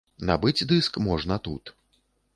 Набыць дыск можна тут.